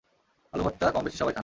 আলু ভর্তা কমবেশি সবাই খান।